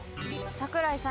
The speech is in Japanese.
櫻井さん